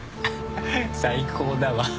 最高だわ。